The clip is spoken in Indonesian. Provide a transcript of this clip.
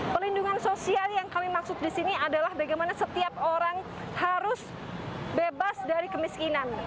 perlindungan sosial yang kami maksud di sini adalah bagaimana setiap orang harus bebas dari kemiskinan